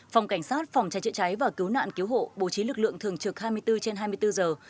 phòng cảnh sát phòng cháy chữa cháy và cứu nạn cứu hộ bố trí lực lượng thường trực hai mươi bốn trên hai mươi bốn giờ